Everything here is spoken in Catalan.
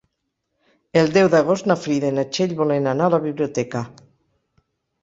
El deu d'agost na Frida i na Txell volen anar a la biblioteca.